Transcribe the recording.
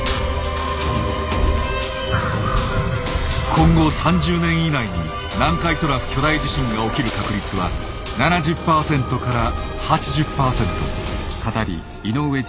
今後３０年以内に南海トラフ巨大地震が起きる確率は７０％から８０％。